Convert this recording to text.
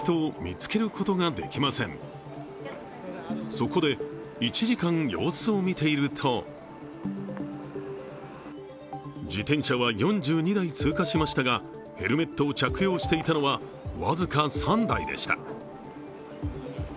そこで１時間、様子を見ていると自転車は４２台通過しましたが、ヘルメットを着用していたのは、僅か３台でした。